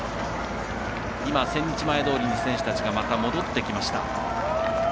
千日前通に選手たちが戻ってきました。